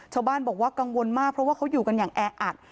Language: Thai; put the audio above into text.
ชาวบ้านบอกว่ากังวลมากเพราะว่าเขาอยู่กันอย่างแออัด